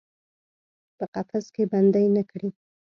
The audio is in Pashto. په قفس کې بندۍ نه کړي